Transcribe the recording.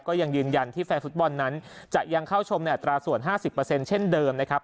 ก็ยังยืนยันที่แฟนฟุตบอลนั้นจะยังเข้าชมในอัตราส่วน๕๐เช่นเดิมนะครับ